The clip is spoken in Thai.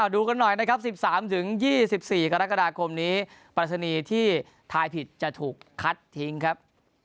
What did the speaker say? ดูกันหน่อยนะครับ๑๓๒๔กรกฎาคมนี้ปรัชนีที่ทายผิดจะถูกคัดทิ้งครับ